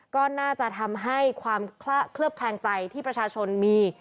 ก็น่าจะทำให้ความเคลือบแคลงใจที่ประชาชนมี